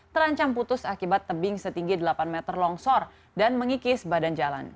terancam putus akibat tebing setinggi delapan meter longsor dan mengikis badan jalan